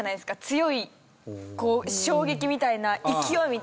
強いこう衝撃みたいな勢いみたいな。